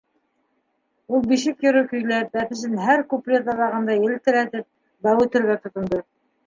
—Ул бишек йыры көйләп, бәпесен һәр куплет аҙағында елтерәтеп, бәүетергә тотондо.